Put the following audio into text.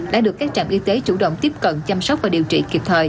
đã được các trạm y tế chủ động tiếp cận chăm sóc và điều trị kịp thời